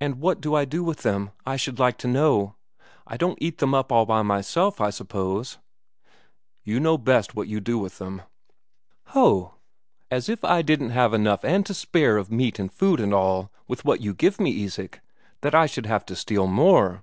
"And what do I do with them, I should like to know? I don't eat them up all by myself, I suppose?" "You know best what you do with them." "Ho! As if I didn't have enough and to spare of meat and food and all, with what you give me, Isak, that I should have to steal more?